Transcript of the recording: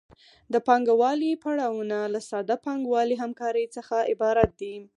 د پانګوالي پړاوونه له ساده پانګوالي همکارۍ څخه عبارت دي